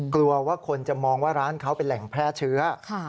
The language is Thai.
กลัวว่าคนจะมองว่าร้านเขาเป็นแหล่งแพร่เชื้อ